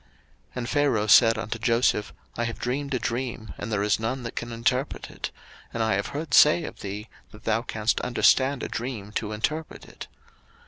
01:041:015 And Pharaoh said unto Joseph, I have dreamed a dream, and there is none that can interpret it: and I have heard say of thee, that thou canst understand a dream to interpret it.